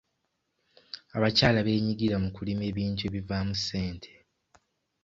Abakyala beenyigira mu kulima ebintu ebivaamu ssente.